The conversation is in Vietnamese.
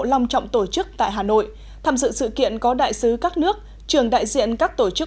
long trọng tổ chức tại hà nội tham dự sự kiện có đại sứ các nước trường đại diện các tổ chức